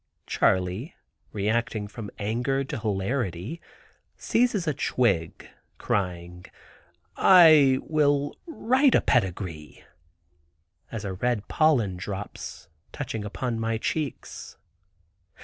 Charley reacting from anger to hilarity, seizes a twig, crying. "I will write a pedigree," as a red pollen drops, touching up my cheeks.